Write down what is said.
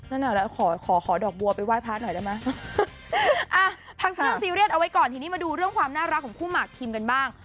แล้วนะแล้วขอขอดอกบัวไปไหว้พาหน่อยได้มั้ยพักซึกจังซีเรียสเอาไว้ก่อนที่นี่มาดูเรื่องความน่ารักของคุณมาร์กพิมพ์ดังบ้าง